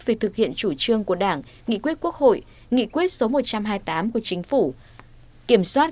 về thực hiện chủ trương của đảng nghị quyết quốc hội nghị quyết số một trăm hai mươi tám của chính phủ kiểm soát